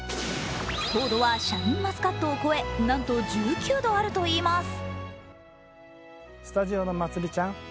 糖度はシャインマスカットを超えなんと１９度あるといいます。